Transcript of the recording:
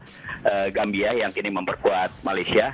ini adalah tim nasional gambia yang kini memperkuat malaysia